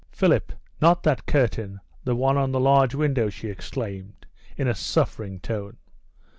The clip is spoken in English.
"Philip, not that curtain; the one on the large window," she exclaimed, in a suffering tone.